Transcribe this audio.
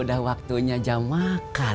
udah waktunya jam makan